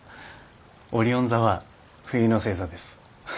オリオン座は冬の星座です。